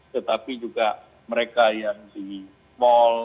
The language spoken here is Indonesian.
tetapi juga mereka yang di mal